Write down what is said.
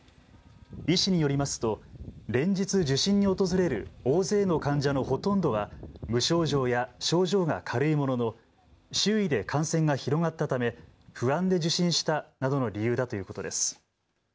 医師によりますと連日、受診に訪れる大勢の患者のほとんどは無症状や症状が軽いものの周囲で感染が広がったため不安で受診したなどの理由だということです。